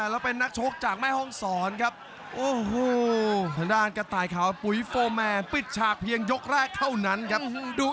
แล้วเป็นนักชกจากแม่ห้องศรครับโอ้โหทางด้านกระต่ายขาวปุ๋ยโฟร์แมนปิดฉากเพียงยกแรกเท่านั้นครับ